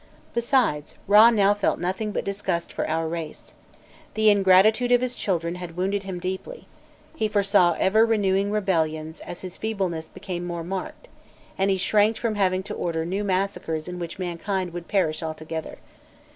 Besides, Râ now felt nothing but disgust for our race. The ingratitude of his children had wounded him deeply; he foresaw ever renewed rebellions as his feebleness became more marked, and he shrank from having to order new massacres in which mankind would perish altogether.